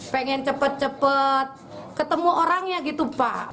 pengen cepet cepet ketemu orangnya gitu pak